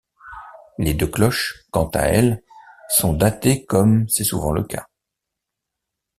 Les deux cloches, quant à elles, sont datées comme c’est souvent le cas.